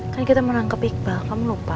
kan kita menangkap iqbal kamu lupa